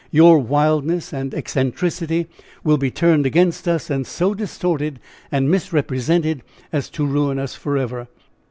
Your wildness and eccentricity will be turned against us and so distorted and misrepresented as to ruin us forever."